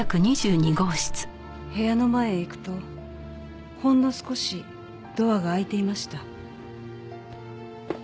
部屋の前へ行くとほんの少しドアが開いていました。